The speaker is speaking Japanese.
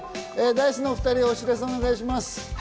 Ｄａ−ｉＣＥのお２人、お知らせお願いします。